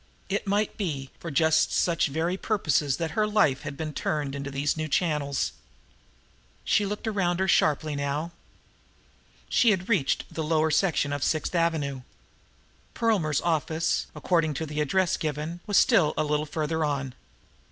It might be for just such very purposes that her life had been turned into these new channels! She looked around her sharply now. She had reached the lower section of Sixth Avenue. Perlmer's office, according to the address given, was still a little farther on.